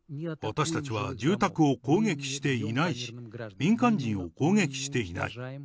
私たちは住宅を攻撃していないし、民間人を攻撃していない。